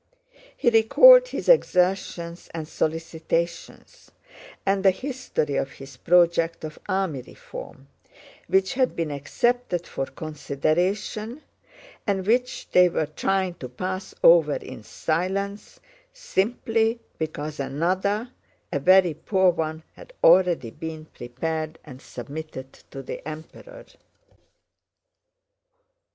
He recalled his exertions and solicitations, and the history of his project of army reform, which had been accepted for consideration and which they were trying to pass over in silence simply because another, a very poor one, had already been prepared and submitted to the Emperor.